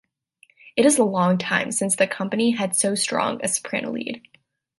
It is a long time since the company had so strong a soprano lead.